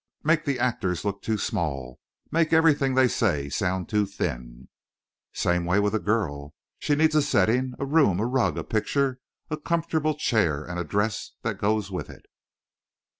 Make the actors look too small. Make everything they say sound too thin. "Same way with a girl. She needs a setting. A room, a rug, a picture, a comfortable chair, and a dress that goes with it.